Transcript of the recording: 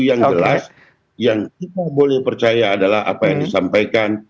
yang jelas yang kita boleh percaya adalah apa yang disampaikan